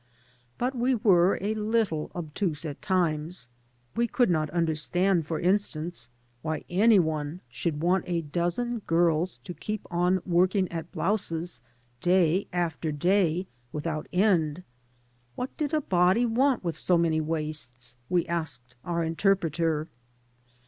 But we were a little obtuse at times. We could not under stand, for instance, why any one should want a dozen girls to keep on working at blouses day after day without end. What did a body want with so many waists, we asked our interpreter.